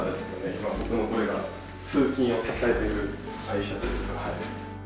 今僕のこれが通勤を支えてる愛車というか。